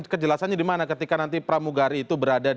kejelasannya dimana ketika nanti pramugari itu